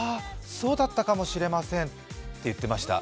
そうだったかもしれませんって言ってました。